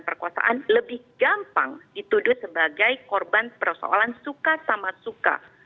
perkosaan lebih gampang dituduh sebagai korban persoalan suka sama suka